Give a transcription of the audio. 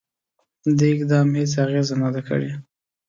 دې اقدام هیڅ اغېزه نه ده کړې.